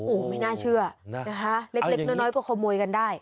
โอ้โหไม่น่าเชื่อนะคะเล็กน้อยก็ขโมยกันได้